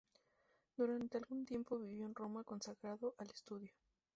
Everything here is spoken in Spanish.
Durante algún tiempo vivió en Roma consagrado al estudio.